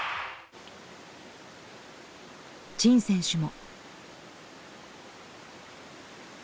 陳選手も。